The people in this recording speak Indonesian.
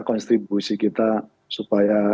konstribusi kita supaya